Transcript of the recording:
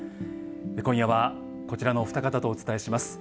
今夜はこちらのお二方とお伝えします。